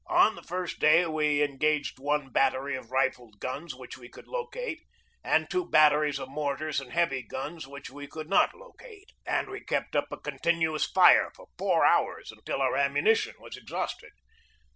On the first day we engaged one ON THE JAMES RIVER n 9 battery of rifled guns which we could locate and two batteries of mortars and heavy guns which we could not locate; and we kept up a continuous fire for four hours, until our ammunition was exhausted.